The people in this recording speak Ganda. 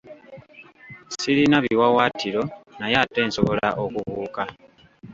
Sirina biwaawaatiro naye ate nsobola okubuuka.